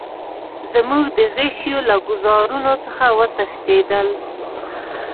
زموږ د غشیو له ګوزارونو څخه وتښتېدل.